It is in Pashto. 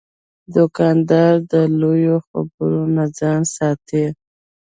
دوکاندار د لویو خبرو نه ځان ساتي.